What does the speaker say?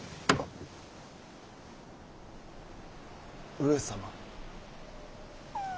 上様？